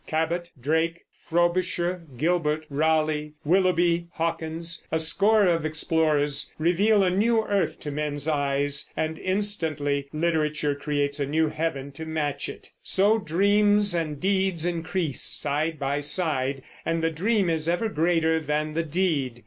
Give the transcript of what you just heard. Cabot, Drake, Frobisher, Gilbert, Raleigh, Willoughby, Hawkins, a score of explorers reveal a new earth to men's eyes, and instantly literature creates a new heaven to match it. So dreams and deeds increase side by side, and the dream is ever greater than the deed.